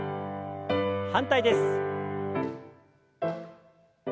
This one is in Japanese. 反対です。